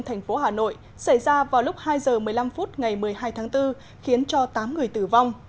thành phố hà nội xảy ra vào lúc hai h một mươi năm phút ngày một mươi hai tháng bốn khiến cho tám người tử vong